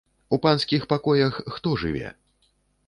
У панскіх пакоях хто жыве?